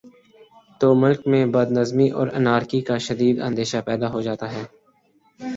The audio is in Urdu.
تو ملک میں بد نظمی اور انارکی کا شدید اندیشہ پیدا ہو جاتا ہے